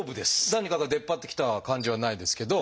何かが出っ張ってきた感じはないですけど。